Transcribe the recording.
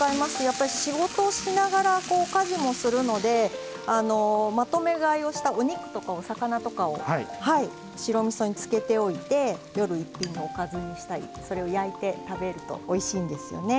やっぱり仕事しながらこう家事もするのでまとめ買いをしたお肉とかお魚とかを白みそに漬けておいて夜一品おかずにしたりそれを焼いて食べるとおいしいんですよね。